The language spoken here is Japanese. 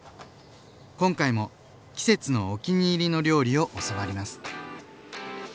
今回も季節のお気に入りの料理を教わります。